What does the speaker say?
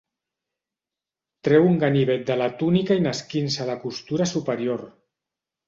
Treu un ganivet de la túnica i n'esquinça la costura superior.